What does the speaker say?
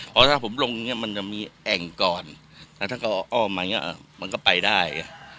เพราะถ้าผมลงอย่างนี้มันจะมีแอ่งก่อนแล้วถ้าเขาอ้อมมาอย่างนี้มันก็ไปได้